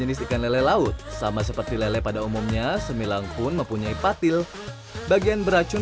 jenis ikan lele laut sama seperti lele pada umumnya semilang pun mempunyai patil bagian beracun